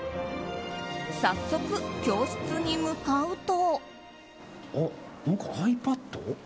早速、教室に向かうと。